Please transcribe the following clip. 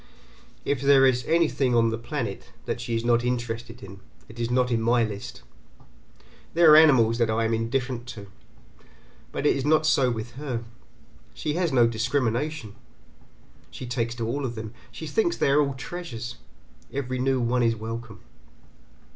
If there is anything on the planet that she is not interested in it is not in my list. There are animals that I am indifferent to, but it is not so with her. She has no discrimination, she takes to all of them, she thinks they are all treasures, every new one is welcome.